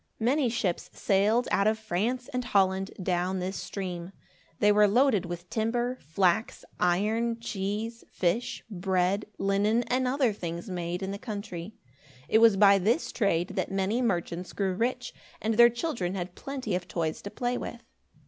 Many ships sailed out of France and Holland, down this stream. They were loaded with timber, flax, iron, cheese, fish, bread, linen, and other things made in the country. It was by this trade that many merchants grew rich, and their children had plenty of toys to play with.